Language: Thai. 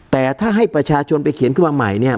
แต่ถ้าให้ประชาชนไปเขียนขึ้นมาใหม่เนี่ย